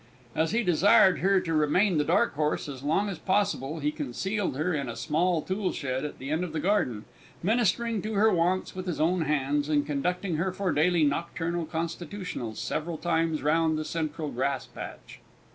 As he desired her to remain the dark horse as long as possible, he concealed her in a small toolshed at the end of the garden, ministering to her wants with his own hands, and conducting her for daily nocturnal constitutionals several times round the central grass patch.